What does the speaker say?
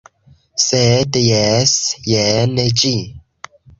Sed, jes, jen ĝi